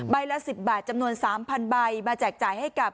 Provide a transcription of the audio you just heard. ละ๑๐บาทจำนวน๓๐๐ใบมาแจกจ่ายให้กับ